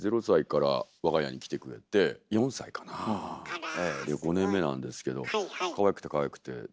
０歳から我が家に来てくれて４歳かなあ５年目なんですけどかわいくてかわいくて。